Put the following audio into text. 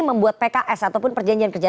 membuat pks ataupun perjanjian kerja